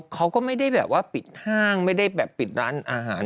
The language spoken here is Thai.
เขาก็ไม่ได้แบบว่าปิดห้างไม่ได้แบบปิดร้านอาหาร